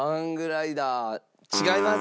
違います。